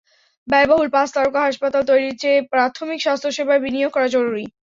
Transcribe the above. ব্যয়বহুল পাঁচ তারকা হাসপাতাল তৈরির চেয়ে প্রাথমিক স্বাস্থ্যসেবায় বিনিয়োগ করা জরুরি।